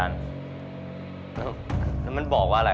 จัดเต็มให้เลย